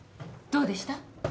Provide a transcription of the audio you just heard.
どうでした？